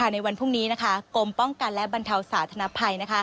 ในวันพรุ่งนี้กรมป้องกันและบรรเทาสาธนภัย